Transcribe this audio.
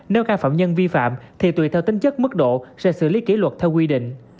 nếu các phạm nhân vi phạm thì tùy theo tính chất mức độ sẽ xử lý kỷ luật theo quy định